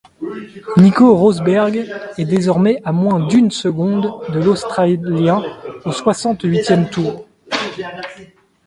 Nico Rosberg est désormais à moins d'une seconde de l'Australien au soixante-huitième tour.